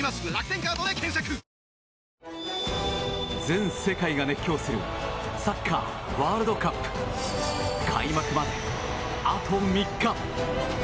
全世界が熱狂するサッカーワールドカップ開幕まで、あと３日。